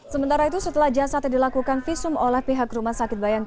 sementara itu setelah jasad yang dilakukan visum oleh pihak rumah sakit bayang